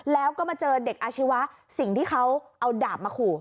แล้วก็มาเจอเด็กอาชีวะสิ่งที่เขาเอาดาบมาขู่